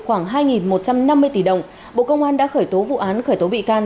khoảng hai một trăm năm mươi tỷ đồng bộ công an đã khởi tố vụ án khởi tố bị can